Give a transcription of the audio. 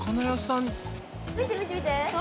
見て見て見て。